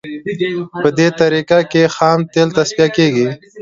په دې طریقه کې خام تیل تصفیه کیږي